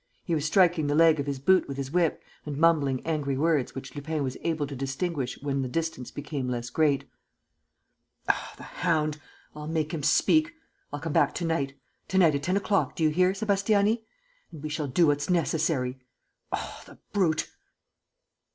He was striking the leg of his boot with his whip and mumbling angry words which Lupin was able to distinguish when the distance became less great: "Ah, the hound!... I'll make him speak.... I'll come back to night ... to night, at ten o'clock, do you hear, Sébastiani?... And we shall do what's necessary.... Oh, the brute!"